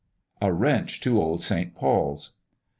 A WRENCH TO OLD ST. PAUL'S.